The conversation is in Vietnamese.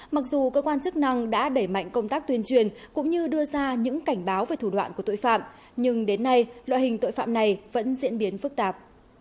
mặc dù cơ quan chức năng đã đẩy mạnh công tác tuyên truyền cũng như đưa ra những cảnh báo về thủ đoạn của tội phạm nhưng đến nay loại hình tội phạm này vẫn diễn biến phức tạp